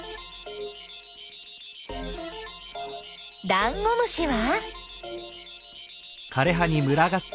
ダンゴムシは？